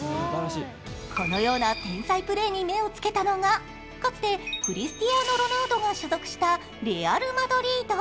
このような天才プレーに目を付けたのがかつてクリスチアーノ・ロナウドが所属したレアル・マドリード。